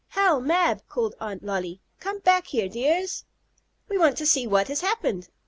"Hal! Mab!" called Aunt Lolly. "Come back here, dears!" "We want to see what has happened!"